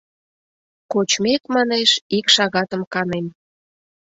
Кочмек, манеш, ик шагатым канем.